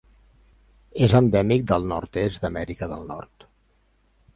És endèmic del nord-est d'Amèrica del Nord.